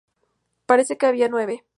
Parece que había nueve.